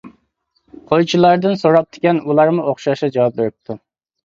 قويچىلاردىن سوراپتىكەن، ئۇلارمۇ ئوخشاشلا جاۋاب بېرىپتۇ.